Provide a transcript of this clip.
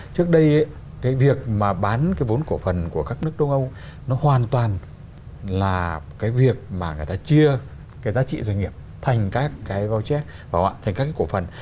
trước đây cái việc mà bán cái vốn cổ phần của các nước đông âu nó hoàn toàn là cái việc mà người ta chia cái giá trị doanh nghiệp thành các cái voucher và họa thành các cái cổ phần